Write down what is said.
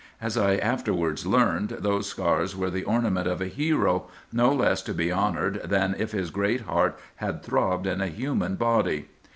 As I afterwards learned, those scars were the ornament of a hero, no less to be honored than if his great heart had throbbed in a human body.